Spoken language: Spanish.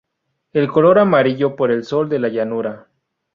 El color amarillo por el sol de la llanura.